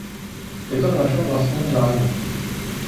Je to v našem vlastním zájmu.